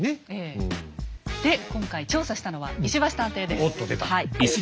で今回調査したのは石橋探偵です。